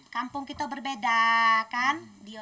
kampung kita berbeda kan